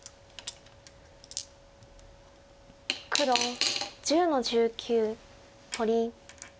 黒１０の十九取り。